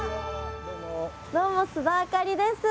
どうも須田亜香里です。